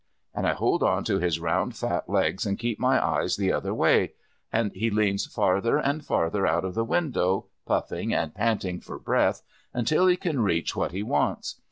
And I hold on to his round fat legs and keep my eyes the other way. And he leans farther and farther out of the window, puffing and panting for breath, until he can reach what he wants.